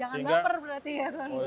jangan baper berarti ya tuan guru